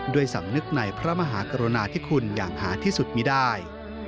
สำนึกในพระมหากรุณาที่คุณอย่างหาที่สุดมีได้